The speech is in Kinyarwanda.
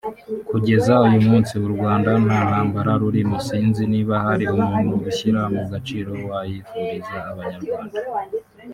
Kugeza uyu munsi u Rwanda nta ntambara rurimo; sinzi niba hari n’umuntu ushyira mu gaciro wayifuriza Abanyarwanda